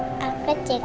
aku juga kangen